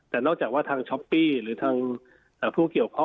แต่นอกจากว่าทางช้อปปี้หรือทางผู้เกี่ยวข้อง